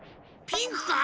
ピンクか？